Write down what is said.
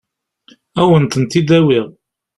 Ad wen-tent-id-awiɣ.